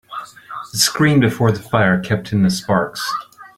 The screen before the fire kept in the sparks.